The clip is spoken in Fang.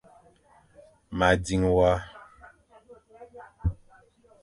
Ma dzing wa.